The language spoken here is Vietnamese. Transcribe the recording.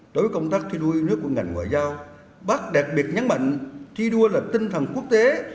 đối với công tác thi đua yêu nước của ngành ngoại giao bác đặc biệt nhấn mạnh thi đua là tinh thần quốc tế